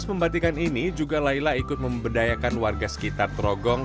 untuk membuat batik yang terbaik laila ikut membedayakan warga sekitar trongkong